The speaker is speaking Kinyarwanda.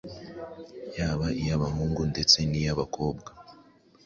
yaba iy’abahungu ndetse n’iy’abakobwa